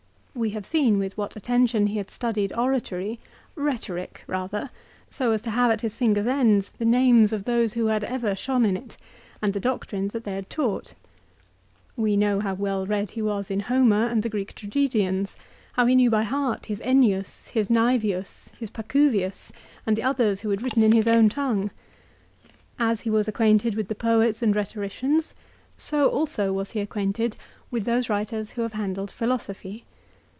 We have seen with what attention he had studied oratory, rhetoric rather, so as to have at his fingers' ends the names of those who had ever shone in it, and the doctrines they had taught. We know how well read he was in Homer and the Greek tragedians ; how he knew by heart his Ennius, his ]Sl~sevius, his Pacuvius, and the others who had written in his own tongue. As he was acquainted with the poets and rhetoricians, so also was he acquainted with those writers who have handled philosophy.